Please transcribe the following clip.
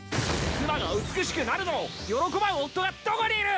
妻が美しくなるのを喜ばん夫がどこにいる！